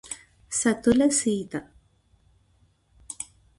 సతుల Sita